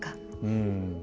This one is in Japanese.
うん。